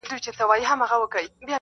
پېښه ټول کلي لړزوي ډېر,